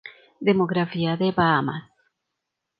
Demografía de Bahamas